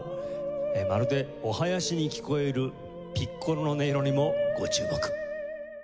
まるでお囃子に聴こえるピッコロの音色にもご注目。